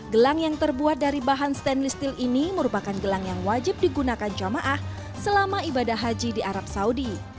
gelang yang terbuat dari bahan stainless steel ini merupakan gelang yang wajib digunakan jamaah selama ibadah haji di arab saudi